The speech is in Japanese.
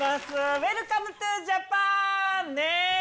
ウエルカムトゥジャパン！ねぇ！